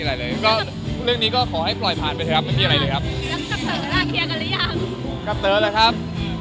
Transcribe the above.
แต่เขาบอกเขาไม่รู้เรื่องที่พวกเธอแซวกัน